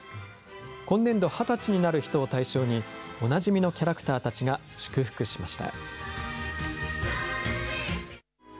今年度、２０歳になる人を対象に、おなじみのキャラクターたちが祝福しました。